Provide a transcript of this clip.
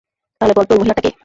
তাহলে গল্পে ওই মহিলাটা কে?